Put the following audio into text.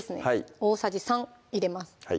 大さじ３入れます